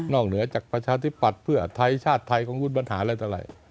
นอกเหนือจากประชาธิปัตย์เพื่อชาติไทยของวุฒิบันฑาอะไรอะไร